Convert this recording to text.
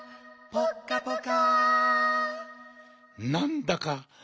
ぽっかぽか。